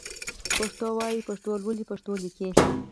پښتو وايئ ، پښتو لولئ ، پښتو ليکئ